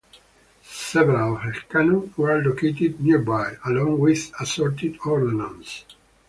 Several of her cannon were located nearby, along with assorted ordnance.